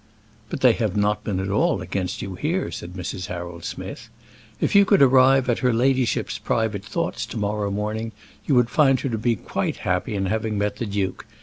"But they have not been at all against you here," said Mrs. Harold Smith. "If you could arrive at her ladyship's private thoughts to morrow morning, you would find her to be quite happy in having met the duke.